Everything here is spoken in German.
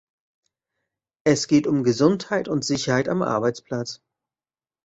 Es geht um Gesundheit und Sicherheit am Arbeitsplatz.